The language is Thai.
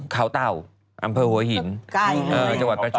ขาวเต้า